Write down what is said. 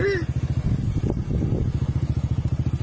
เดี๋ยวดิ